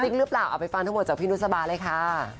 ซิ้งหรือเปล่าเอาไปฟันทุกหมดจากพี่นุศบาเลยค่ะ